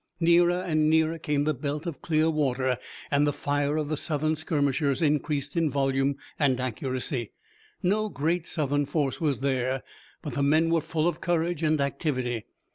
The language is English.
Nearer and nearer came the belt of clear water, and the fire of the Southern skirmishers increased in volume and accuracy. No great Southern force was there, but the men were full of courage and activity.